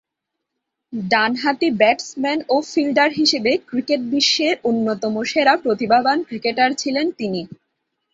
ডানহাতি ব্যাটসম্যান ও ফিল্ডার হিসেবে ক্রিকেট বিশ্বের অন্যতম সেরা প্রতিভাবান ক্রিকেটার ছিলেন তিনি।